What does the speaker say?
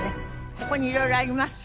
ここに色々あります。